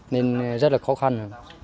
nên rất là khó khăn